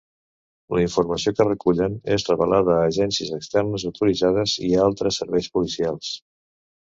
La informació que recullen és revelada a agències externes autoritzades i a altres serveis policials.